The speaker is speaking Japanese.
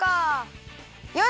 よし！